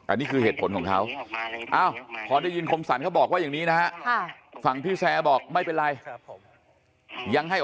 อันนี้คือเหตุผลของเขา